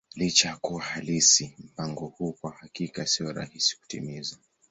Licha ya kuwa halisi, mpango huu kwa hakika sio rahisi kutimiza.